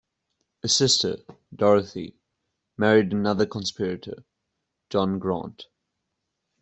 A sister, Dorothy, married another conspirator, John Grant.